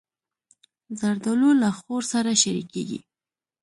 زردالو له خور سره شریکېږي.